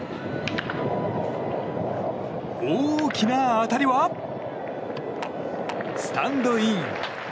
大きな当たりは、スタンドイン！